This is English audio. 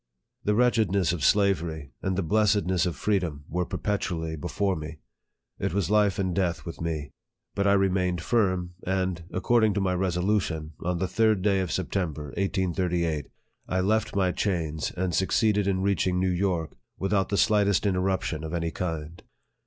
The wretchedness of slavery, and the blessed ness of freedom, were perpetually before me. It was life and death with me. But I remained firm, and, ac cording to my resolution, on the third day of Septem ber, 1838, I left my chains, and succeeded in reach ing New York without the slightest interruption of any kind.